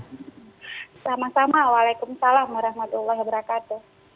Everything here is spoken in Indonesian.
selamat siang assalamualaikum salam rahmatullah dan berakat